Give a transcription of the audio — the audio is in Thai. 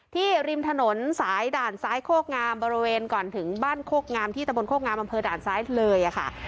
ริมถนนสายด่านซ้ายโคกงามบริเวณก่อนถึงบ้านโคกงามที่ตะบนโคกงามอำเภอด่านซ้ายเลยค่ะ